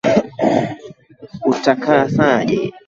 Uwatakase kwa ile kweli neno lako ndiyo kweli